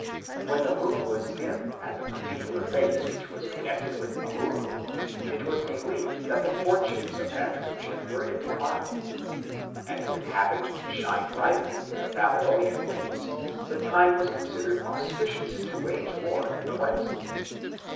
When the moon was dim at the particular phase which was connected with Amurru, it was believed that the fortunes of that region were in decline, and if it happened to shine brightly in the Babylonian phase the time was considered auspicious to wage war in the west.